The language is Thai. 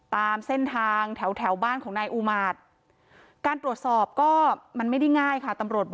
ตามเส้นทางแถวบ้านของนายอูมารด